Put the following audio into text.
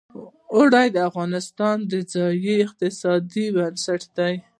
اوړي د افغانستان د ځایي اقتصادونو بنسټ دی.